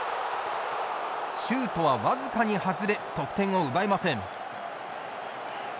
シュートは僅かに外れ得点を奪えません。